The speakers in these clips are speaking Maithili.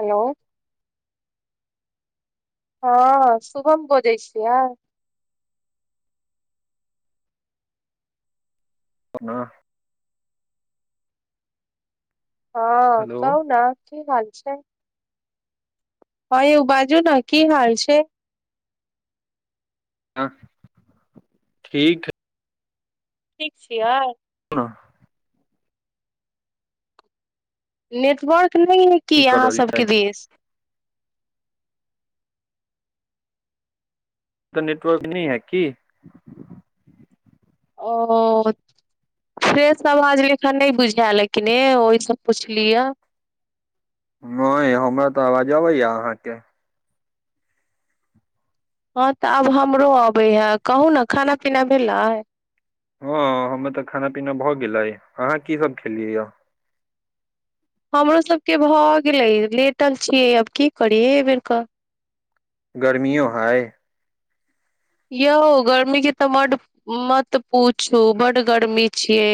हेलो हँ शुभम बजै छियै ओना हाँ हेलो कहौ ना की हाल छै हँ यौ बाजू ने की हाल छै हँ ठीक ठीक छियै ह नेटवर्क नयि की कर अहाँ रहल छै सबके देश ई तऽ नेटवर्क नहि है की ओ फ्रेस आवाज लेखा नयि बुझायल लेकिन ए ओहिसँ पुछ लियै नहि हमरा तऽ अवाज अबैया अहाँके हँ तऽ आब हमरो अबै हए कहू ने हँ हमर तऽ खाना पीना भऽ गेलै अहाँ कीसभ खेलियै य हमरो सभके भऽ गेलै लेटल छियै आब की करियै एहि बेर क गर्मियो हय यौ गर्मीके तऽ मड मत पूछू बड गर्मी छियै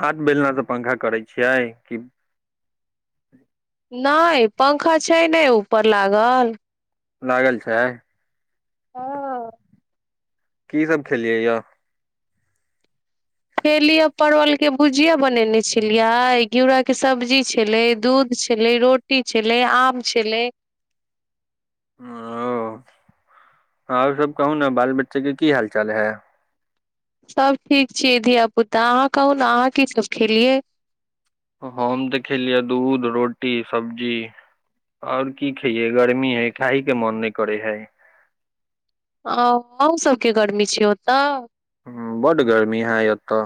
हाथ बेलना तऽ पंखा करै छियै की नयि पंखा छै नयि ऊपर लागल लागल छै हँ की सभ खेलियै य फेलिय परवलके भुजिया बनेने छलियै घिउराके सब्जी छलैय दूध छलैय रोटी छलैय आम छलैय ओ आर सब कहू ने बाल बच्चा के की हाल चाल है सभ ठीक छियै धियापुता अहाँ कहू ने अहाँ कीसभ खेलियै हम तऽ खेलियै दूध रोटी सब्जी आओर की खैयै गर्मी है खाहि के मोन नहि करैय हय अ अहुं सबके गर्मी छीय ओतऽ ह बड गर्मी है एतऽ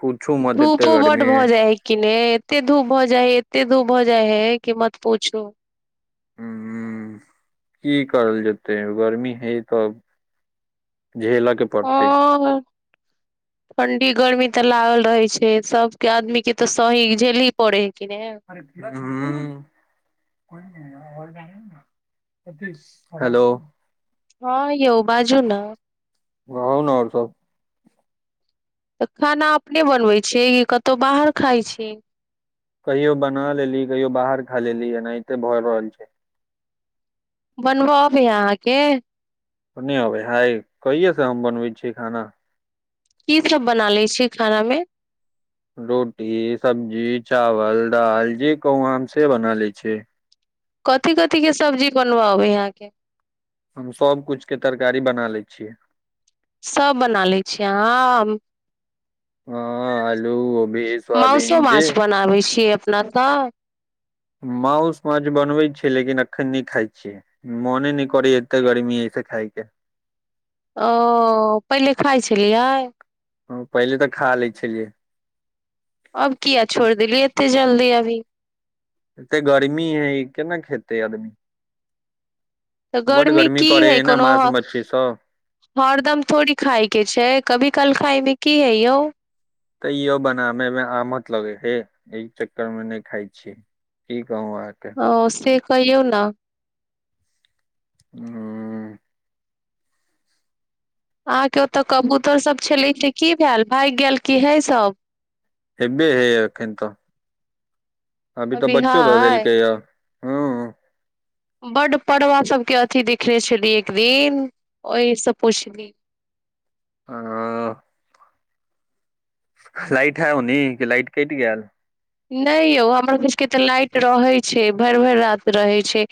पूछू मत एते धूपो बड गर्मी ह भऽ जाय है कि ने एते धूप भऽ जाइ है एते धूप भ जाइ है की मत पूछू ह की करल जेतै गर्मी हे तब झेलऽ के पड़तै हँ ठंडी गर्मी तऽ लागल रहै छैइ सबके आदमी के तऽ सही झेलही ही परैह हूँ हैलो हँ यौ बाजू ना कहू ने आओर सब तऽ खाना अपने बनबै छियै कि कतहु बाहर खाइ छी कहियो बना लेली कहियो बाहर खा लेली एनाहिते भऽ रहल छै बनब अबैय अहाँके नैइ अबैहइ कहियेसे हम बनबै छी खाना की सब बना ले छी खाना में रोटी सब्जी चावल दाल जे कहू हम से बना लै छीअइ कथी कथीके सब्जी बनबय अबैय अहाँके हम सब किछु के तरकारी बना लय छियै सभ बना लय छियै अहाँ हँअ् माउसो माछ बनाबै छियै न त माउस माछ बनबै छियै लेकिन एखन नहि खाइ छियै मोने नहि करै एते गर्मी एहि से खायके ओ पहिले खाइ छलियै हां पहिले तऽ खा लय छलियै अब किया छोड़ देलिय एते जल्दी अभी त आदमी तऽ बड गर्मी की है करे ने कोनो मास मच्छी सब हरदम थोड़ी खाय के छैइ कभी काल खायमे की हइ यौ तऽ इहो बनाबै मे आमद लगै छैइ ह एहि चक्कर मे नहि खाय छी गउआ के [unintelligible] ओ से कहियौ न ह अहाँके ओतय कबूतरसभ छलै से की भेल भागि गेल कि हय सब हे बैएहई एखन त अभी तऽ बच्चो दऽ बिहाय देलकै अ बड्ड पड़बा सबके अथि देखने छली एक दिन ओहिसँ पुछली लाइट है ओने कि लाइट कैइट गेल नई यौ हमर सबके तऽ लाइट रहै छै भरि भरि राति रहै छै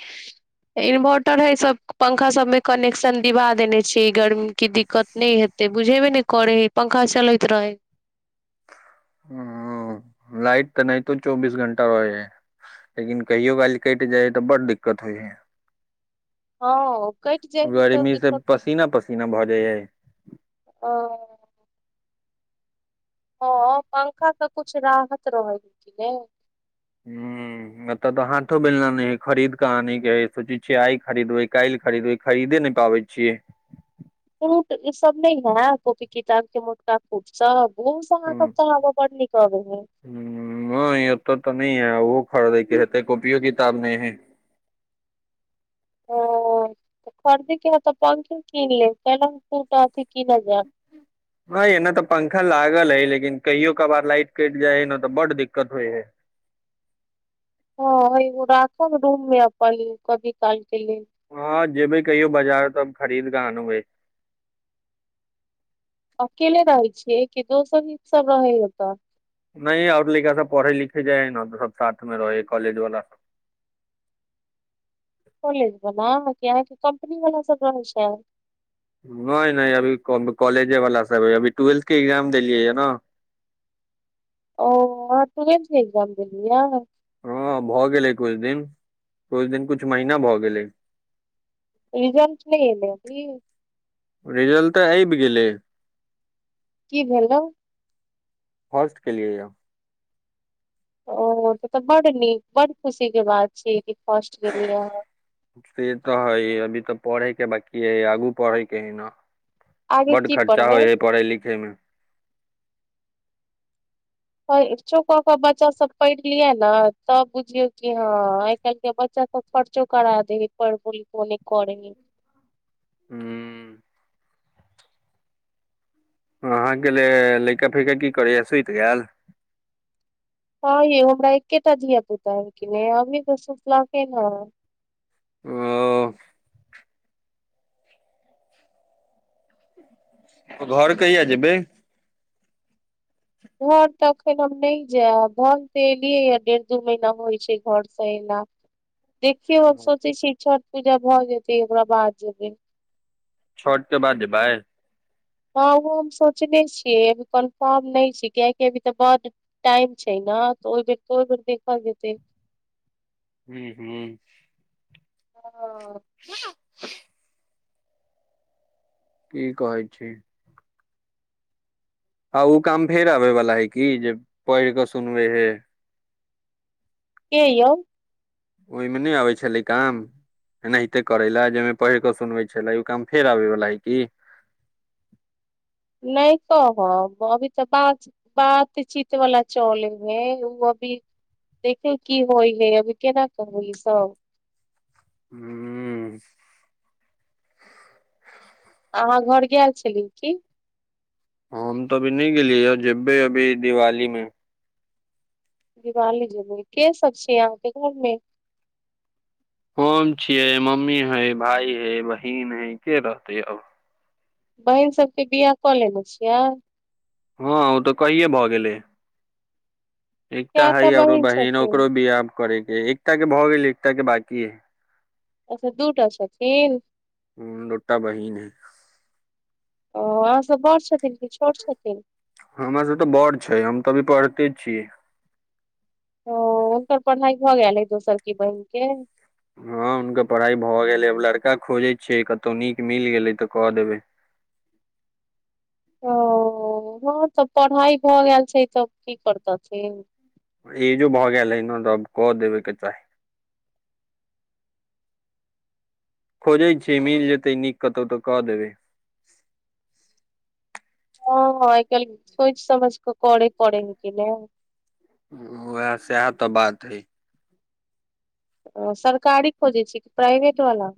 इन्वर्टर हय सब पंखा सबमे कनेक्शन दिवा देने छी गर्मी के दिक्कत नई हेतै बुझेबे नहि करै ह पंखा चलैत रहै ह लाइट तऽ एनहितो चौबीस घंटा रहै है लेकिन कहियो काइल कटि जाइ है तऽ बड् दिक्कत होइ है ह [unintelligible] गर्मी से पसीना पसीना भऽ जाइय ओ हँ पंखा त कुछ राहत रहै छै न ह एतय तऽ हाथो बेलना नहि हइ खरीद कऽ आने के हइ सोचै छियै आइ खरीदबै काल्हि खरीदबै खरीदे नहि पाबै छियै कूट ई सब नयि है कॉपी किताब के मोटका कूट सब ओ सब अहाँ के हूँ कह मे बढ़ नीक आबै है खड़े के रहतै कॉपियो किताब नयि है ओ त खरीदै है की ह तऽ पंखे कीन लेब पलंग कीत कीनल जैब ह य न तऽ पंखा लागल है लेकिन कहियो कभार लाइट कटि जाय है न तऽ बड्ड दिक्कत होइ है हँ ह ओ एगो राखब रूम मे अपन कथी कहै छै हँ जेबै कहियौ बाजार तब खरीद क आन बई अकेले रहै छियै कि दोसर हित सब रहै है एतऽ नहि ओर लड़का सब पढ़े लिखे जाइ है न तऽ सब साथ मे रहै ह कॉलेज वला सब [unintelligible] नहि नहि अभी कॉलेजेवला साभ ह अभी टुवेल्थ के एग्जाम देलियै यए ने ओ अहाँ टुवैल्थ के एगजाम दैलियै ह हँ भऽ गेलै कुछ दिन कुछ दिन कुछ महीना भऽ गेलै रिजल्ट नयि एलइ की रिजल्ट तऽ आइब गेलै की भेलौ केलिय यौ ओ त तऽ बड नीक बड खुशी के बात छी से तऽ हइ अभी तऽ पढ़ै बकी है आगू पढ़ैके है ना आगे बड की खर्चा पढ़बै होइ हइ पढ़य लिखयमे परर्चो कऽ कऽ बच्चासभ पढ़ि लियै ने तब बुझियौ कि हँ आइ काल्हिके बच्चासभ परर्चो करा द हइ पढ़ि बलि को नहि करयै हइ हू अहाँके ल लैका फैका की करैए सुइति गैल हँ यौ हमरा एकेटा धिया पुता ह कि हमही तऽ सुतलखिन ह ओ त घर कहिया जेबैय घर तऽ एखन हम नहि जायब धन तऽ एलियै ह डेढ़ दू महीना होइ छय घरसँ अयला देखिय सोचैय छिये छठ पूजा भऽ जेतै ओकरा बाद जेबैय छठके बाद जेबय हँ ओ हम सोचने छियै अभी कन्फर्म नहि छै कियकि अभी तऽ बड्ड टाइम छै ने तऽ ओहि बेर तऽ ओहि बेर देखल जेतैय हू हू [inaudible] [unintelligible] की कहै छी ह ओ काम फेर आबेवला है की जे पढ़ि कऽ सुनबे है के यौ ओहिमे नहि आबैय छलै काम एनाहिते करै लए जाहिमे पढ़ि कऽ सुनबै छलै ओ काम फेर आबैवला है कि नहि कहब अभी तऽ बात बातचीत वाल चले हे ओ अभी देखे की होइ हे अभी केना कहू ई सब हू अहाँ घर गेल छली की हम तऽ अभी नहि गेलिये जेबय अभी दिवाली मे दिवाली जी के सब छै अहाँके घरमे हम छियै मम्मी है भााय है बहिन है के रहतेै अब बहिन सभके बिआ कऽ लेने छियै हँ ओ तऽ कहिए भऽ गेलै एकता है केटा आओरो बहिन छथिन ओकरो भी आब करे एकटा के भऽ गेल एकटा के बाकी हय अच्छा दूटा छथिन ह दूटा बहन हय ओ आ सब बड़ छथिन कि छोट छथिन हमर सभ तऽ बड़ छै हम तऽ अभी पढ़ते छियै ओ हुनकर पढ़ाई भऽ गेल हइ दोसर की बहिनक के हँ हुनकर पढ़ाइ भऽ गेलैय आब लड़का खोजै छियै कतहु नीक मिल गेलैय तऽ कऽ देबैय ओ हँ तऽ पढ़ाइ भऽ गेल छै तऽ की करतथिन ई जो भऽ गेल ह रब क देबेके चाही खोजैय छै मिल जेतै नीक कतौ तऽ क देबै हँ हँ आइ काल्हि सोचि समझ कऽ करे पड़े न कि ने उएह सएह तऽ बात हय सरकारी खोजैय छिये कि प्राइभेटवला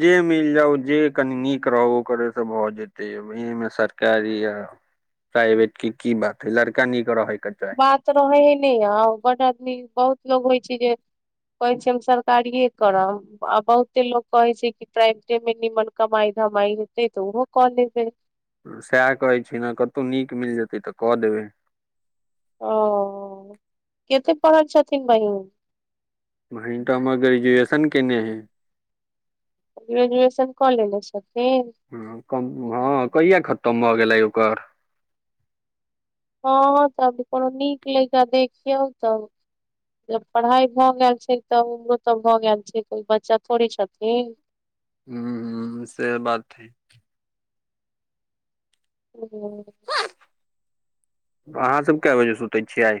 जे मिल जाउ जे कनि नीक रहब ओ करेसँ भऽ जेतै एहिमे सरकारी आ प्राइवेटके की बात है लड़का नीक रहैय बात रहै ह ने आउ बड आदमी बहुत लोक होइ छै जे कहै छै हम सरकारिए करब आ बहुते लोक कहैय छै कि प्राइवेटेमे निमन कमाइ धमाई हेतै तऽ ओहो कऽ लेबैय सएह कहै छी ने कतहु नीक मिल जेतैय तऽ कऽ देबै ओ कतेक पढ़ल छथिन बहिन बहिन त हमर ग्रेजुएशन कयने हय ग्रेनएशन क लयने छथिन ह कम हँ कहिय खतम भऽ गेल कर हँ तऽ अभी कोनो नीक लड़का देखियौ तब जब पढ़ाइ भऽ गेल छै तऽ उम्रो तऽ भऽ गेल छै तऽ ओ बच्चा थोड़े छथिन हुँ हुँ से बात ठीक सु अहाँसभ कए बजे सुतै छियै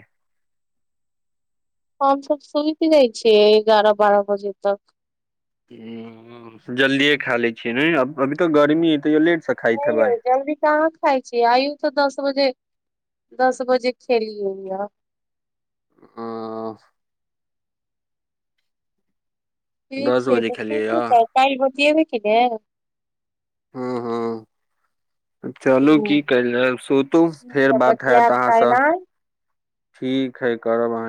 हमसब सुनत रहइ छिय एगारह बारह बजे तक ह जल्दिए खा लै छियै ने अभी तऽ गर्मी ह त ले ह यौ जल्दी त अहाँ खााय छी आयौ तऽ दस बजे दस बजे खेलियेय आ ठीक दस छै बजे त खेलियै य त काल बतियब ठीके हूं हूं चलू की ह कयल जैब सुतू फेर बात हत बतियाब काल्हि अहाँसँ आय ठीक है करब अहाँके